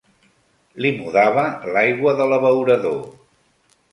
Li mudava l'aigua de l'abeurador